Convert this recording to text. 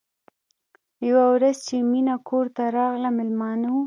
یوه ورځ چې مینه کور ته راغله مېلمانه وو